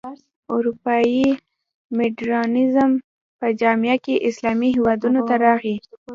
اروپايي مډرنیزم په جامه کې اسلامي هېوادونو ته راغی.